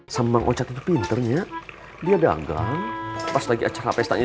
sampai jumpa di video selanjutnya